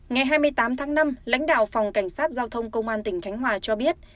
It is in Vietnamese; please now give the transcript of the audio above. ngày hai mươi tám tháng năm lãnh đạo phòng cảnh sát giao thông công an tỉnh khánh hòa cho biết